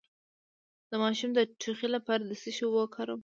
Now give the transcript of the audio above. د ماشوم د ټوخي لپاره د څه شي اوبه وکاروم؟